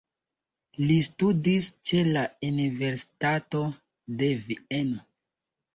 Li studis ĉe la Universitato de Vieno.